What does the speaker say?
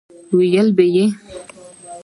ويل به يې